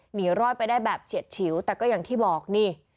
หนีรอดไปได้แบบเฉียดฉิวแต่ก็อย่างที่บอกนี่